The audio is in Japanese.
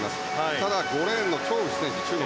ただ、５レーンのチョウ・ウヒ選手、中国。